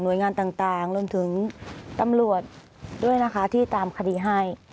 โดยงานต่างรวมถึงตำรวจด้วยนะคะที่ตามคดีให้